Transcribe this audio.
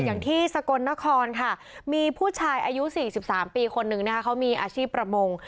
อย่างที่สกลนครค่ะมีผู้ชายอายุ๔๓ปีคนนึงนะคะเขามีอาชีพประมง